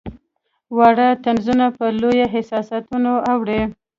واړه طنزونه په لویو حساسیتونو اوړي.